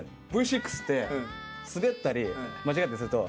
Ｖ６ってスベったり間違えたりすると」